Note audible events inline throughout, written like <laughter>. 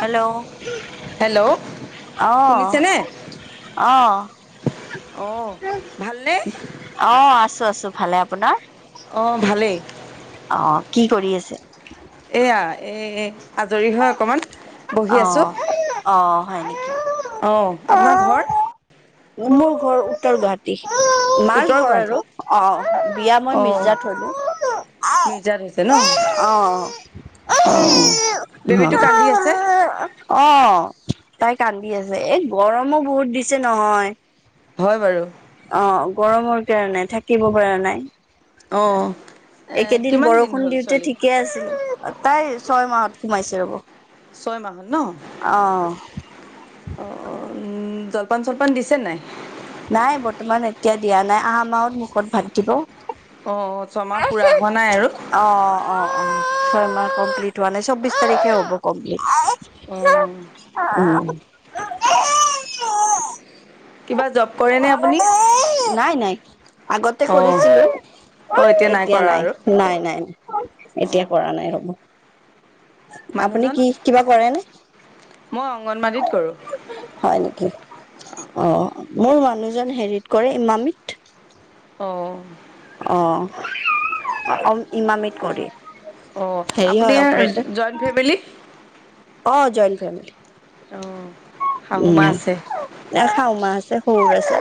Hello hello অ'। শুনিছেনে অ। অঁ ভালনে অ আছো আছো ভালে আপোনাৰ। অ ভালেই। অ কি কৰি আছে। এইয়া এই আজৰি হয় অকণমান। বহি অ, আছোঁ অ হয় নেকি? অঁ আপোনাৰ ঘৰ মোমোৰ ঘৰ উত্তৰ গুৱাহাটী। মাৰ উত্তৰ ঘৰ গুৱাহাটী আৰু। অ, বিয়া মই অঁ মিৰ্জাত হ'লো। মিৰ্জাত হৈছে ন? অঁ, অঁ অহ। বেবীটো কান্দি আছে অ। তাই কান্দি আছে। এ গৰমো বহুত দিছে নহয়। হয় বাৰু। অ গৰমৰ কাৰণে থাকিব পৰা নাই। অঁ একেইদিন কিমান দিন বৰষুণ হ'ল দিওঁতে ছোৱালী ঠিকে আছিল। তাই ছয় মাহত সোমাইছে ৰ'ব। ছয় মাহত ন? অ অ উম জলপান চলপান দিছে নাই? নাই বৰ্তমান এতিয়া দিয়া নাই, আহা মাহত মুখত ভাত দিব। অ ছমাহ পুৰা হোৱা নাই আৰু? অ অ অ। ছয় মাহ কমপ্লিট হোৱা নাই। চৌবিশ তাৰিখে হ'ব কমপ্লিট। অঁ <unintelligible> কিবা জব কৰেনে আপুনি? নাই নাই। আগতে অঁ কৰিছিলো, অঁ এতিয়া কৰা নাই। আৰু নাই নাই নাই। এতিয়া অঁ কৰা নাই ৰ'ব। আপুনি মানুহজন কি কিবা কৰে নে? মই অংগনবাদীত কৰোঁ হয় নেকি? অ'। মোৰ মানুহজন হেৰিত কৰে, ইমামিত। অ। অ। অ ইমামিত কৰে। অ। হেৰি আপুনি হয় অপাৰেটৰ জইণ্ট ফেমিলি? অ জইণ্ট ফেমিলি। অ। উম। এ শাশুমা আছে, শশুৰ আছে,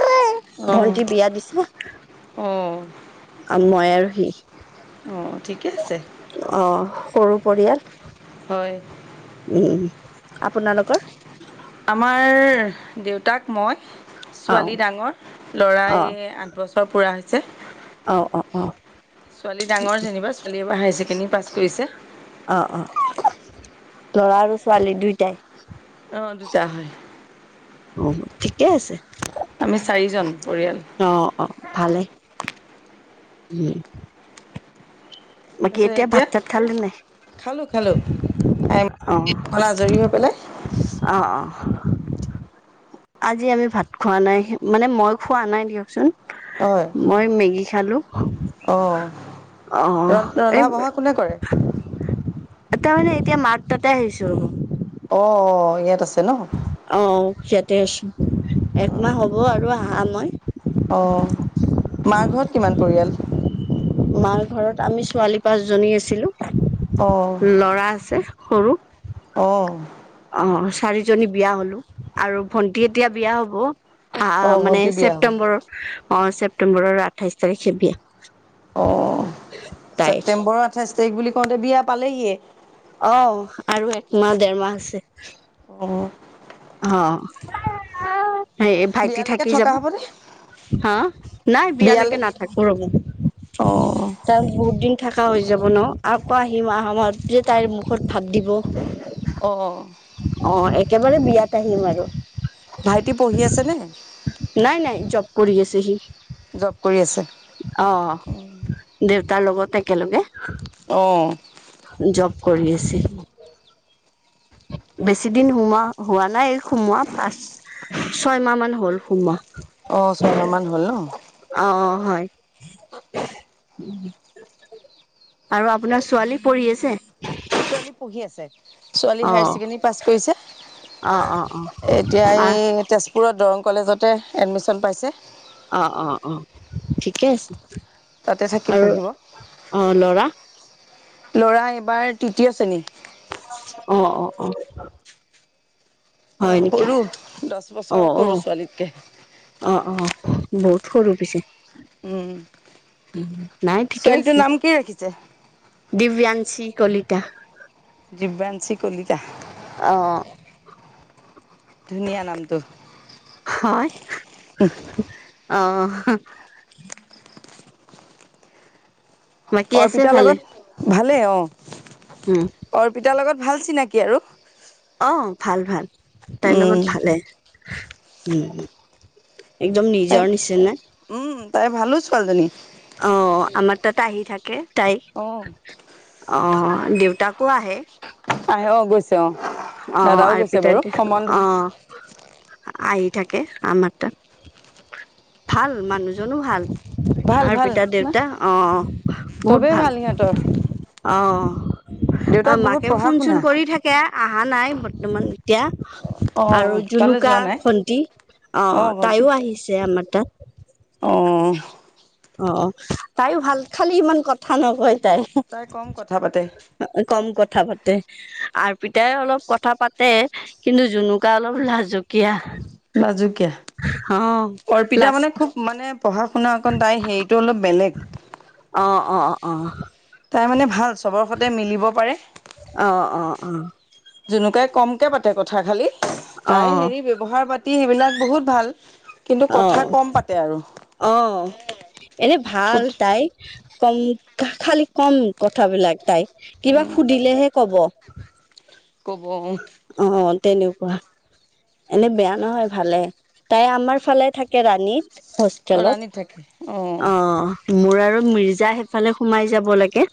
ভন্টি বিয়া দিছে। অ। আ মই আৰু সি। অহ ঠিকে আছে। অহ, সৰু পৰিয়াল। হয়। উম। আপোনালোকৰ? আমাৰ দেউতাক, মই। অ', ছোৱালী ডাঙৰ, ল'ৰা অ', এই আঠ বছৰ পুৰা হৈছে। অ অ অ। ছোৱালী ডাঙৰ যেনিবা, ছোৱালীয়ে এইবাৰ হায়াৰ ছেকেণ্ডেৰী পাছ কৰিছে। অ অ। ল'ৰা আৰু ছোৱালী দুইটাই? অ দুটা হয়। উম, ঠিকে আছে। আমি চাৰিজন পৰিয়াল। অ অ। ভালেই। উম উম। তাৰপিছত ভাত চাত খালে নাই এতিয়া, খালো খালো। খাই অ', বৈ আজৰি হৈ পেলাই অ অহ। আজি আমি ভাত খোৱা নাই মানে মই খোৱা নাই দিয়কচোন হয় মই মেগী খালো অঁ অ অ এই ৰন্ধা বঢ়া কোনে কৰে আতাৱনে এতিয়া মাৰ তাতে আহিছো অ অ ইয়াত আছে ন অ ইয়াতে আছো একমাহ হ'ব আৰু আহা মই অ অ মা ঘৰত কিমান পৰিয়াল মাৰ ঘৰত আমি ছোৱালী পাঁচ জনী আছিলো অ লৰা আছে সৰু অঁ অ চাৰিজনী বিয়া হলো আৰু ভন্টি এতিয়া বিয়া হব অ আহ মানে ভণ্টিৰ বিয়া হ'ল ছেপ্তেম্বৰৰ অ ছেপ্তেম্বৰৰ আঠাইশ তাৰিখে বিয়া অ তাইৰ ছেপ্তেম্বৰৰ আঠাইছ তাৰিখ বুলি কওঁতে বিয়া পালেহিয়ে অ আৰু একমাহ দেৰ মাহ আছে অহ অ সেই ভাইটি বিয়ালৈকে থাকি থকা যাব হ'বনে হা নাই বিয়ালেকে বিয়ালৈ নাথাকো ৰ'ব অ তান বহুত দিন থাকা হৈ যাব ন আপা আহিম আহা মাহত যে তাইৰ মুখত ভাত দিব অ অ একেবাৰে বিয়াত আহিম আৰু ভাইটি পঢ়ি আছে নে নাই নাই জব কৰি আছে সি জব কৰি আছে অ দেউতাৰ লগত একেলগে অ জব কৰি আছে বেছি দিন সোমো হোৱা নাই সোমোৱা পাচ ছয়মাহ মান হ'ল সোমা অ ছয়মাহ মান হ'ল ন অ অ হয় আৰু আপোনাৰ ছোৱালী পৰি আছে ছোৱালী পঢ়ি আছে ছোৱালী অ হায়াৰ ছেকেণ্ডৰী পাছ অ অ অ কৰিছে এতিয়া আহ এই তেজ পুৰত দৰং কলেজতে এডমিশন পাইছে অ', অ', অ', ঠিকে আছে তাতে থাকি আৰু পঢ়িব অ', লৰা। ল'ৰা এইবাৰ তৃতীয় শ্ৰেণী। অ', অ', অ'। লৰা হয় নেকি সৰু দছ অ বছৰৰ অ সৰু ছোৱালীতকে। অ', অ', বহুত সৰু পিছে। উম উম নাই ঠিকে ছোৱালীটোৰ আছে। নাম কি ৰাখিছে দিব্যাংশী কলিতা। ডিব্যাংশী কলিতা। অ'। ধুনীয়া নামটো। হয় অহ। বাকী আছে অৰ্পিতাৰ ভালে লগত ভালেই অঁ'। উম, অৰ্পিতাৰ লগত ভাল চিনাকি আৰু। অ, ভাল-ভাল তাইৰ উম লগত ভালেই উম, একদম তাই নিজৰ নিচিনা। উম, তাই ভালো ছোৱালীজনী। অ', আমাৰ তাত আহি থাকে তাই। অ অ, দেউতাকো আহে। আহে গৈছ। অ', আৰু আৰপিতা সম্বন্ধ অ'। আহি থাকে আমাৰ তাত ভাল মানুহজনো ভাল। ভাল ভাল আৰ্পিতা না দেউতা অ বহুত চবেই ভাল। সিহঁতৰ অ, অ, দেউতাক বহুত মাকেও পঢ়া ফোন শুনা চোন কৰি থাকে। অহা নাই বৰ্তমান অ এতিয়া। আৰু তালৈ জুনুকা যোৱা নাই ভণ্টি অ, তাইও আহিছে আমাৰ তাত। অ', অ, তাইও ভাল খালি ইমান কথা নকয় তাই। কম কথা পাতে কম কথা পাতে আৰু আৰপিতাই অলপ কথা পাতে কিন্তু জুনুকা অলপ লাজুকীয়া। লাজুকীয়া অৰ্পিতা লাজ মানে খুব মানে পঢ়া শুনা অকণ তাইৰ হেৰিটো অলপ বেলেগ। অ', অ', অ', অ'। তাই মানে ভাল চবৰ সৈতে মিলিব পাৰে। অ', অ', অ', জনুকাই কমকে পাতে কথা খালি, অ তাই হেৰি অ ব্যৱহাৰ পাতি সেইবিলাক বহুত ভাল। কিন্তু কথা অ', কম পাতে আৰু আহ, এনে ভাল সুত তাই। কম খালি কম কথাবলাক তাই কিবা উম সুধিলেহে কব। ক'ব উম, অ', তেনেকুৱা। এনে বেয়া নহয় ভালে তাই আমাৰ ফালে থাকে ৰাণীত হোষ্টেলত। তাকে অ', অ', মোৰ আৰু মিৰ্জা সেইফালে সোমাই যাব লাগে।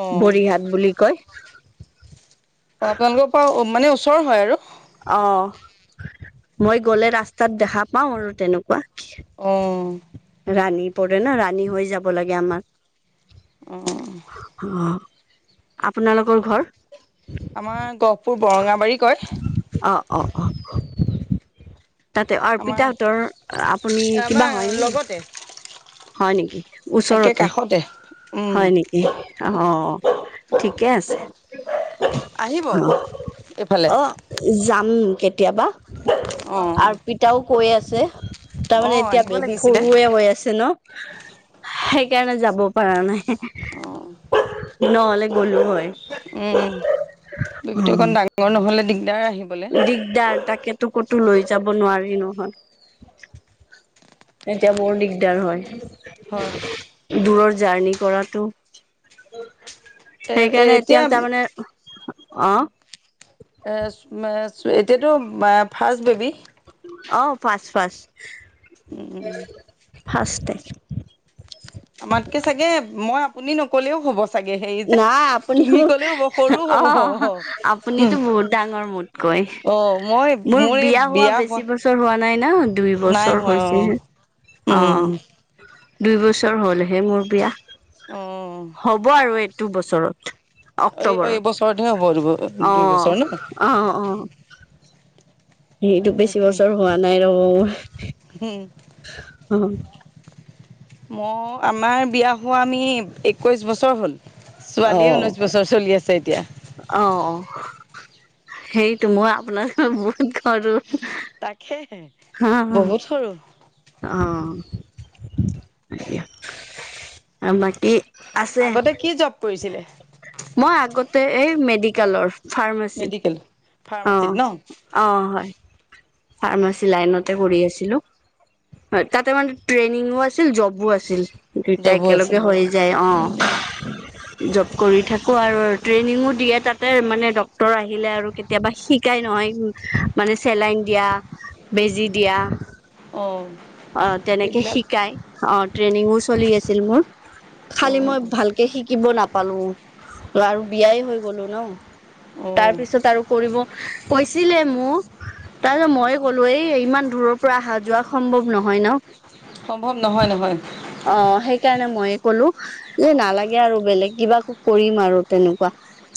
অ বৰিহাট বুলি কয়। অ', আপোনালোকৰ পৰা মানে ওচৰ হয় আৰু। অ, মই গলে ৰাস্তাত দেখা পাও আৰু তেনেকুৱা। অ', ৰাণী পৰে ন ৰাণী হৈ যাব লাগে আমাৰ। অ', অ, আপোনালোকৰ ঘৰ? আমাৰ গহপুৰ বৰঙাবাৰী কয়। অ, অ, অ, তাতে আমাৰ অৰ্পিতাহঁতৰ আপুনি আমাৰ কিবা হয় নেকি? লগতে হয় নেকি, একে ওচৰতে কাষতে উম হয় নেকি? অ, ঠিকে আছে। আহিব অ, অঁ অ, যাম কেতিয়াবা। আৰপিতাও কৈ আছে, তাৰমানে অঁ এতিয়া আহিব বেবী লাগিছিলে সৰুৱে হৈ আছে ন? সেইকাৰণে যাব পৰা নাই। অঁ নহ'লে গ'লো হয়। উম, বেবিটো অকণ ডা--ৰ নহলে দিগদাৰ আহি দিগদাৰ, তাকেতো ক'তো লৈ যাব নোৱাৰি নহয়। এতিয়া বৰ দিগদাৰ হয়। হয়। দূৰৰ জাৰ্ণি কৰাটো। সেইকাৰণে এতিয়া তাৰমানে অ। <unintelligible> এতিয়াতো ফাৰ্ষ্ট বেবী? অ, ফাচ ফাচ। উম উম উম। ফাঁষ্টটে। আমাতকে চাগে মই আপুনি নকলেও হ'ব। চাগে হেৰি যে, নাই আপুনি তুমি মোক ক'লেও হ'ব সৰু অ হ'ব। আপুনিতো বহুত ডাঙৰ মোতকৈ অ, মই মোৰ মই বিয়া বেছি হোৱা বছৰ হোৱা নাই না দুই নাই বছৰ হোৱা অ। হৈছেহে অ উম দুই বছৰ হ'লহে মোৰ বিয়া। অ, অ। হ'ব আৰু এইটো বছৰত। <unintelligible> এই অক্টোবৰত এইবছৰতে হ'ব অ, দুবছৰ ন অ, অ। সেইটো বেছি তাকে বছৰ হোৱা নাই <unintelligible> অ। ম, আমাৰ বিয়া হোৱা আমি একৈছ বছৰ হ'ল। অ ছোৱালীয়ে ঊনৈশ বছৰ চলি আছে এতিয়া। অ, সেইটো মই আপোনা বহুত সৰু। তাকেহে, বহুত সৰু। অঁ, আও বাকী? আছে আগতে কি জব কৰিছিলে? মই আগতে এই মেডিকেলৰ ফাৰ্মাচী। মেডিকেল অ ফাৰ্মাচীত ন? অ, হয়। ফাৰ্মাচী লাইনতে কৰি আছিলো। হয়। তাতে মানে ট্ৰেইনিঙো আছিল জবো আছিল। দুইটা জবো একেলগে আছিলে হৈ যায় অ। <unintelligible> জব কৰি থাকো আৰু ট্ৰেইনিঙো দিয়ে তাতে, মানে ডক্তৰ আহিলে আৰু কে তিয়াবা শিকাই নহয়, মানে চেলাইন দিয়া, বেজি দিয়া। অ অ, তেনেকে এইবিলাক শিকাই অ, ট্ৰেইনিংও চলি আছিল মোৰ। অ খালি মই ভালকে শিকিব নাপালো। ৰু বিয়াই হৈ গলো ন। অ তাৰপিছত আৰু কৰিব কৈছিলে মো। তাৰপিছত মইয়ে ক'লো, এই ইমান দূৰৰ পৰা আহা যোৱা সম্ভৱ নহয় ন? সম্ভৱ নহয় নহয়। অ, সেইকাৰণে মইয়ে ক'লো। য়ে নালাগে আৰু বেলেগ কিবা কৰিম আৰু তেনেকুৱা,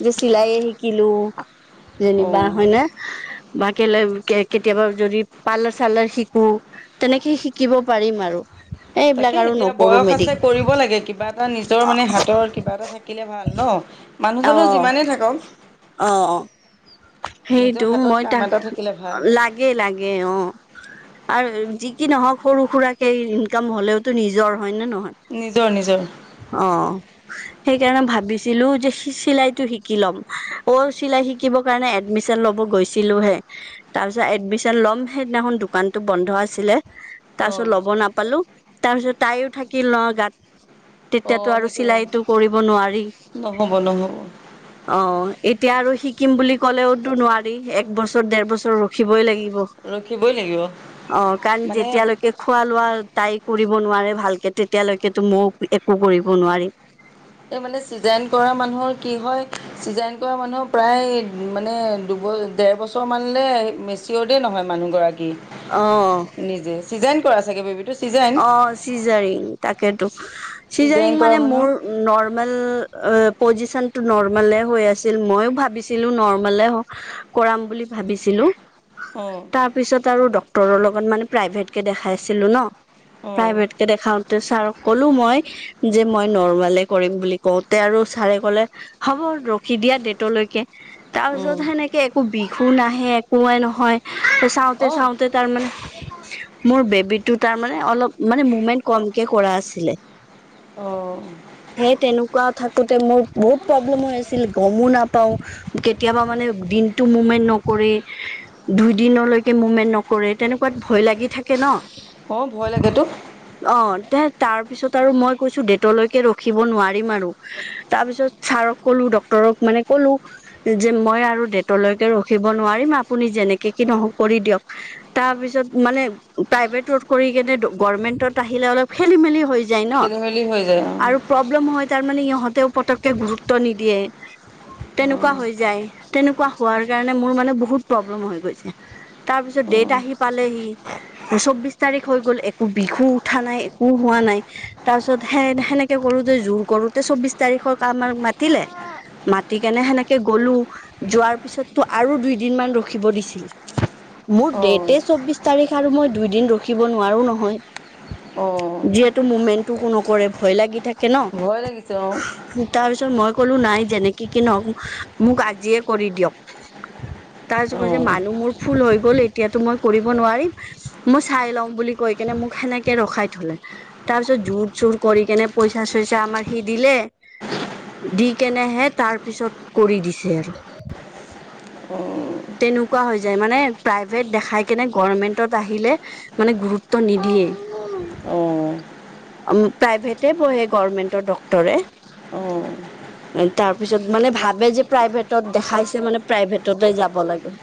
যে চিলাইয়ে শিকিলো অ যেনিবা হয় নে, বা কেলে কেতিয়াবা যদি পালাৰ চালাৰ শিকো। তেনেকে শিকিব পাৰিম আৰু। এইবিলাক তাকে আৰু এতিয়া নকৰো বয়স আছে মেডিক কৰিব লাগে কিবা এটা নিজৰ মানে হাতৰ কিবা এটা থাকিলে ভাল ন। অ মানুহজনৰ যিমানেই থাকক। অ', অ' নিজৰ সেইটো হাতত মই কাম তাক, এটা থাকিলে ভাল লাগে-লাগে অ'। আৰু যি কি নহওক সৰু সুৰাকে ইনকাম হলেওতো নিজৰ হয় নে নিজৰ নিজৰ নহয় অ' সেইকাৰণে ভাবিছিলো যে চিলাইতটো শিকি লম, অ', চিলাই শিকি শিকিবৰ কাৰণে এডমিশচন ল'ব গৈছিলোহে। তাৰপিছত এডমিশন ল'ম সেইদিনাখন দোকানতটো বন্ধ আছিলে। তাৰ অ পিছত লব নাপালো, তাৰ পিছত তাইও থাকিল ন গাত। অ তেতিয়াতো আৰু সেইটো অঁ চিলাইতটো কৰিব নোৱাৰি। নহ'ব নহ'ব অ' এতিয়া আৰু শিকিম বুলি ক'লেওতো নোৱাৰি, এক- বছৰ, ডেৰ- বছৰ ৰখিবই লাগিব। ৰখিবই লাগিব অ', কাৰণ মানে যেতিয়ালৈকে খোৱা - লোৱা তাই কৰিব নোৱাৰে ভালকে, তেতিয়ালৈকেতো মইও একো কৰিব নোৱাৰি। এই মানে চিজাৰিন কৰা মানুহৰ কি হয় চিজাৰিন কৰা মানুহ প্ৰায়, মানে দুব দেৰ বছৰ মানলৈ <unintelligible> নহয় মানুহগৰাকী। অ'। নিজে, চিজাৰিন কৰা চাগে বেবি। অ চিজাৰিন, তাকেতো চিজাইন চিজাৰিন কৰা মানে মানুহ মোৰ নৰমেল অ', পজিচন টো নৰ্মলে হৈ আছিল, মইও ভাবিছিলো নৰ্মালে হ কৰাম বুলি ভাবিছিলো। অঁ তাৰ পিছত আৰু ডটৰৰ লগত মানে প্ৰাইভেট কে দেখাইছিলো ন। অঁ প্ৰাইভেট কে দেখাওতে ছাৰক ক'লো মই যে মই নৰৰ্মালে কৰিম বুলি কওঁতে আৰু ছাৰে ক'লে হ'ব ৰখি দিয়া ডেটলৈকে। তাৰ অঁ পিছত সেনেকে একো বিষো নাহে একোৱেই নহয় অঁ চাওঁতে-চাওঁতে তাৰমানে মোৰ বেবিটো তাৰ মানে অলপ, মানে মুমেন্ট কমকে কৰা আছিলে। অঁ। সেই তেনেকুৱা থাকোতে মোৰ বহুত প্ৰব্লেম হৈ আছিল গমো নাপাওঁ। কেতিয়াবা মানে দিনটো মুমেণ্ট নকৰে। দুই দিনলৈকে মুভমেন্ট নকৰে, তেনেকুৱাত ভয় লাগি থাকে ন। অ', ভয় লাগে তো। অ', তে তাৰ পিছত আৰু মই কৈছোঁ, ডেটলৈকে ৰখিব নোৱাৰিম আৰু। তাৰ পিছত ছাৰক ক'লো ডক্তৰক মানে ক'লো যে মই আৰু ডেটলৈকে ৰখিব নোৱাৰিম, আপুনি যেনেকে কি নহওক কৰি দিয়ক। তাৰ পিছত মানে প্ৰাইভেটত কৰি কেনে গভমেন্টত আহিলে অলপ খেলি মেলি হৈ যায় ন খেলি মেলি হৈ যায় অঁ আৰু প্ৰব্লেম হয়, তাৰমানে ইহঁতেও পতককে গুৰুত্ব নিদিয়ে। তেনেকুৱা হৈ যায়, তেনেকুৱা হোৱাৰ কাৰণে মোৰ মানে বহুত প্ৰব্লেম হৈ গৈছে। তাৰ পিছত ডেট অঁ আহি পালেহি চৌবিশ তাৰিখ হৈ গ'ল একো বিষো উঠা নাই একো হোৱা নাই, তাৰ পিছত সেই সেনেকে কৰোঁতে জোৰ কৰো ত' চৌবিশ তাৰিখৰ কাম মাতিলে, মাতি কেনে সেনেকে গ'লো। যোৱাৰ পিছত তো আৰু দুইদিনমান ৰখিব দিছিল। মোৰ অঁ ডেটে চৌবিশ তাৰিখ আৰু মই দুই দিন ৰ ৰখিব নোৱাৰো নহয়, অঁ অঁ যিহেতু মুমেন্টটো নকৰে ভয় লাগি থাকে। কে ভয় লাগিছে অঁ ন তাৰ পিছত মই ক'লো নাই যেনেকি কি নহ‌ওক মোক আজিয়ে কৰি দিয়ক। তাৰ পিছত কৈছে যে অঁ মানুহ মোৰ ফুল হৈ গ'ল, এতিয়াতো মই কৰিব নোৱাৰিম মই ঠাই ল'ম বুলি কৈ কেনে মোক সেনেকে ৰখাই থঁলে তাঁৰ পিছত জোৰ জোৰ কৰি কেনে পইচা চইচা আমাৰ সি দিলে দি কেনেহে তাৰ পিছত কৰি দিছে আৰু অ' তেনেকুৱা হৈ যায় মানে প্ৰাইভেট দেখাই কেনে গৰ্মেন্তত আহিলে। মানে গুৰুত্ব নিদিয়ে। অঁ প্ৰাইভেটে পঢ়ে গৰ্মেন্তৰ ডক্তৰে <unintelligible> তাৰ পিছত মানে ভাবে যে প্ৰাইভেটত দেখাইছে মানে প্ৰাইভেটতে যাব লাগে।